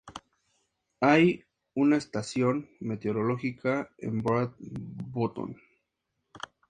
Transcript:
Hay una estación meteorológica en Broad Bottom.